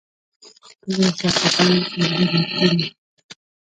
خپلې خواخوږۍ يې څرګندې کړې.